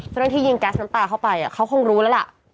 เจ้าหน้าที่ยิงแก๊สน้ำตาเข้าไปเขาคงรู้แล้วล่ะ